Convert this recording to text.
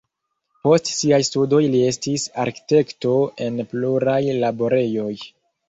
Post siaj studoj li estis arkitekto en pluraj laborejoj.